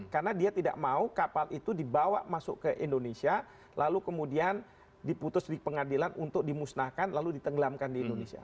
karena dia tidak mau kapal itu dibawa masuk ke indonesia lalu kemudian diputus di pengadilan untuk dimusnahkan lalu ditenggelamkan di indonesia